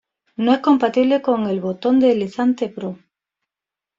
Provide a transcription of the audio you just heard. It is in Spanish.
No es compatible con el Botón Deslizante Pro.